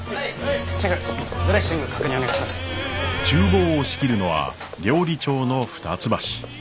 厨房を仕切るのは料理長の二ツ橋。